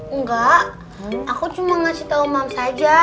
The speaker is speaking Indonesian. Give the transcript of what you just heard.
enggak aku cuma ngasih tau mams aja